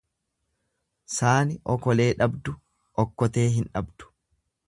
Saani okolee dhabdu okkotee hin dhabdu.